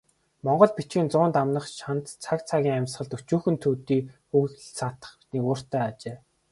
Монгол бичгийн зуун дамнах шандас цаг цагийн амьсгалд өчүүхэн төдий үл саатах нигууртай ажээ.